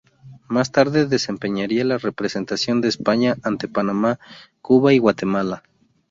Más tarde desempeñaría la representación de España ante Panamá, Cuba y Guatemala.